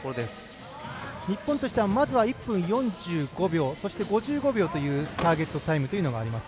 日本としてはまず１分４５秒そして５５秒というターゲットタイムがあります。